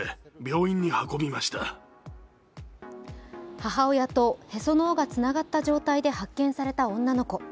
母親とへその緒がつながった状態で発見された女の子。